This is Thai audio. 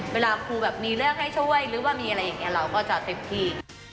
เวลาครูแบบมีเรื่องให้ช่วยหรือว่ามีอะไรอย่างนี้เราก็จะเต็มที่